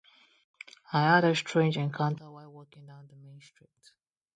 I had a strange encounter while walking down the main street.